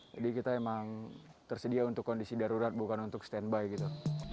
jadi kita emang tersedia untuk kondisi darurat bukan untuk standby gitu